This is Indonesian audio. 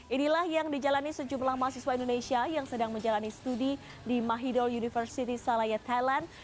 inilah yang dijalani sejumlah mahasiswa indonesia yang sedang menjalani studi di mahidol university salaya thailand